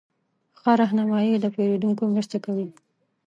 ښه رهنمایي د پیرودونکو مرسته کوي.